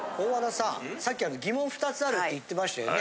さっき疑問２つあるって言ってましたよね。